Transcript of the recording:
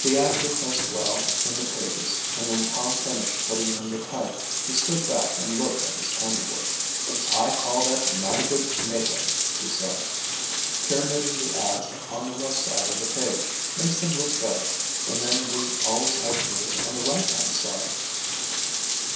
The ads were placed well in the pages and when Tom finished putting in the type he stood back and looked at his handiwork. "I call that mighty good makeup," he said. "Pyramiding the ads on the left side of the page makes them look better and then we always have news on the right hand side."